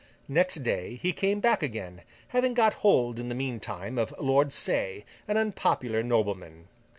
Next day, he came back again, having got hold in the meantime of Lord Say, an unpopular nobleman.